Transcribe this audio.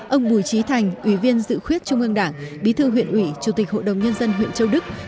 ông bùi trí thành ủy viên dự khuyết trung ương đảng bí thư huyện ủy chủ tịch hội đồng nhân dân huyện châu đức